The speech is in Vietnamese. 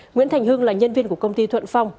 nguyễn thành hưng là nhân viên của công ty thuận phong